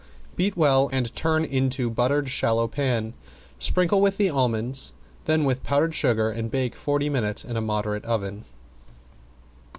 Beat well and turn into buttered shallow pan. Sprinkle with the almonds, then with powdered sugar and bake forty minutes in a moderate oven.